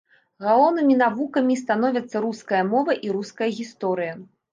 Галоўнымі навукамі становяцца руская мова і руская гісторыя.